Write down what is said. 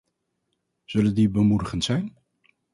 Zullen die bemoedigend zijn?